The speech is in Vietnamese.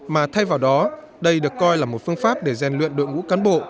mà thay vào đó đây được coi là một phương pháp để rèn luyện đội ngũ cán bộ